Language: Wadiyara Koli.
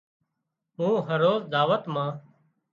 مُون هروز دعوت مان